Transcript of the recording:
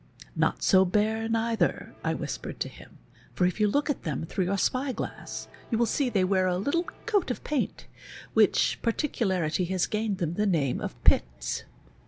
"Not so bare, neither," I whispered to him, "for if you look at them through your spy glass you will see they wear a little coat of paint, which particularity has gained them the name of Piets."